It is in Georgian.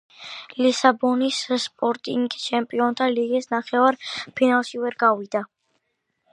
ლისაბონის სპორტინგი ჩემპიონთა ლიგის ნახევარ ფინალში ვერ გავიდა